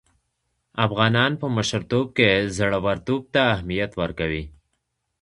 افغانان په مشرتوب کې زړه ورتوب ته اهميت ورکوي.